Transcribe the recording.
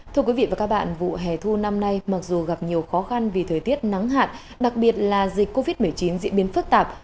thưa quý vị và các bạn vụ hè thu năm nay mặc dù gặp nhiều khó khăn vì thời tiết nắng hạn đặc biệt là dịch covid một mươi chín diễn biến phức tạp